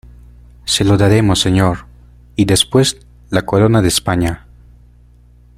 se lo daremos, señor... y después la corona de España .